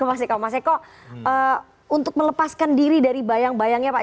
tapi kalau menurut mas eko bagaimana kemudian melepaskan diri dari bayang bayangnya pak